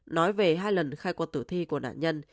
nói về hai lần khai quật tử thi của nạn nhân